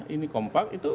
ini kompak itu bisa